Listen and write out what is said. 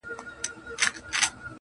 خونه له شنو لوګیو ډکه ده څه نه ښکاریږي،